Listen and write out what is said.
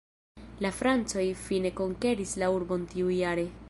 La francoj fine konkeris la urbon tiujare.